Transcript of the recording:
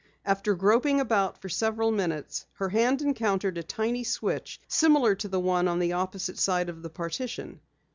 After groping about for several minutes, her hand encountered a tiny switch similar to the one on the opposite side of the partition.